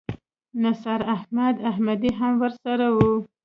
نثار احمد احمدي هم ورسره و.